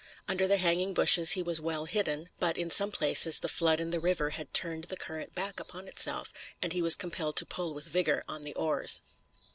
Under the hanging bushes he was well hidden, but, in some places, the flood in the river had turned the current back upon itself, and he was compelled to pull with vigor on the oars.